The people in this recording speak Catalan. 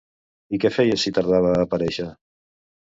I què feia si tardava a aparèixer?